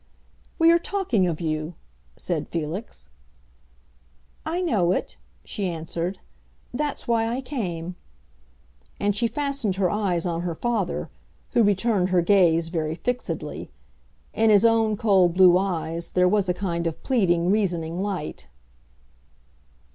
"We are talking of you!" said Felix. "I know it," she answered. "That's why I came." And she fastened her eyes on her father, who returned her gaze very fixedly. In his own cold blue eyes there was a kind of pleading, reasoning light.